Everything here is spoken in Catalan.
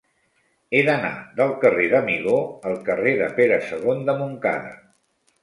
He d'anar del carrer d'Amigó al carrer de Pere II de Montcada.